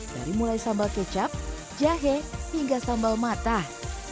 dari mulai sambal kecap jahe hingga sambal matah